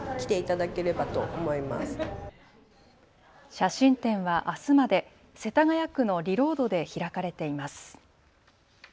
写真展はあすまで世田谷区のｒｅｌｏａｄで開かれています。